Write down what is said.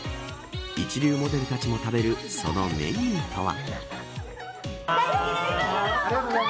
一流モデルたちも食べるそのメニューとは。